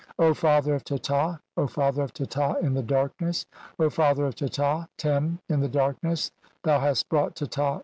O Father of Teta, O Father of "Teta in the darkness, O Father of Teta, Tern in "the darkness, thou hast brought Teta.